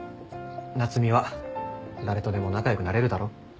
夏海は誰とでも仲良くなれるだろ？